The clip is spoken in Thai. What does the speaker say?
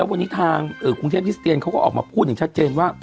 วันนี้ทางกรุงเทพฮิสเตียนเขาก็ออกมาพูดอย่างชัดเจนว่า